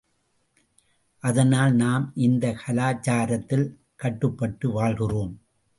அதனால் நாம் இந்தக் கலாசாரத்தில் கட்டுப்பட்டு வாழ்கிறோம்.